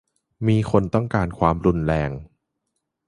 - มีคนต้องการความรุนแรง